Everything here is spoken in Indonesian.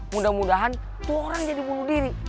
mudah mudahan tuh orang jadi bunuh diri